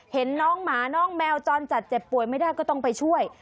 เห็นน้องหมาน้องแมวจรจัดเจ็บป่วยไม่ได้ก็ต้องไปช่วย